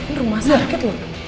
ini rumah sakit loh